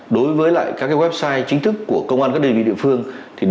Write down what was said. đối với các website chính thức của công an các đơn vị địa phương